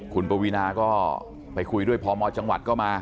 คุณปวีนาก็ไปคุยด้วยพมจังหวัดก็มา